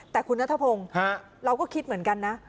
แต่คุณนัทพงศ์เราก็คิดเหมือนกันนะ